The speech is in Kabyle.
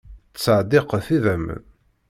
Ttṣeddiqet idammen.